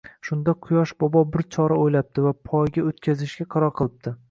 Shunda Quyosh bobo bir chora oʻylabdi va poyga oʻtkazishga qaror qilibdi